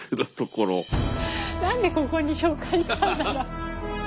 何でここに紹介したんだろう？